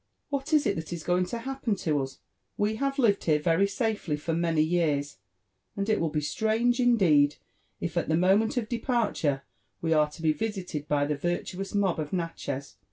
'' What is it that is going to happen to us ?— We have lived here very aoo Lira AND ID VENTURES OF safely, for many years, and it will be strange indeed if at the moment of departure we are to be visited by the virtuous mob of Nalchez.